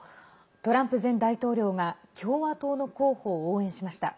トランプ前大統領が共和党の候補を応援しました。